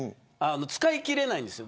使い切れないんですよ。